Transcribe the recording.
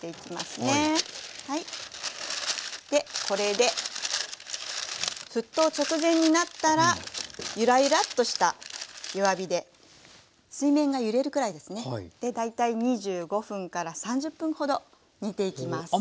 これで沸騰直前になったらユラユラッとした弱火で水面が揺れるくらいですねで大体２５分から３０分ほど煮ていきます。